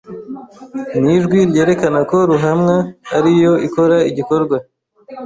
ni ijwi ryerekana ko ruhamwa ari yo ikora igikorwa.